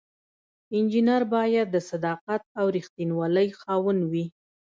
انجینر باید د صداقت او ریښتینولی خاوند وي.